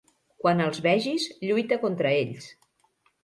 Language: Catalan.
Quan els vegis, lluita contra ells.